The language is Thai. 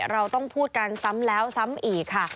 เราต้องพูดกันซ้ำแล้วซ้ำอีกค่ะ